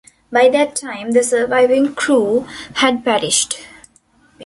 By that time, the surviving crew had perished.